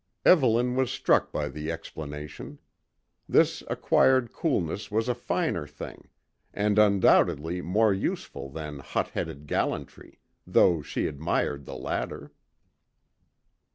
Evelyn was struck by the explanation. This acquired coolness was a finer thing, and undoubtedly more useful than hot headed gallantry, though she admired the latter.